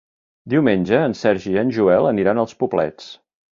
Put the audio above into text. Diumenge en Sergi i en Joel aniran als Poblets.